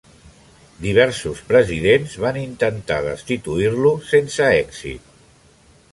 Diversos presidents van intentar destituir-lo, sense èxit.